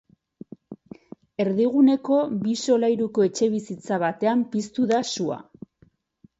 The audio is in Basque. Erdiguneko bi solairuko etxebizitza batean piztu da sua.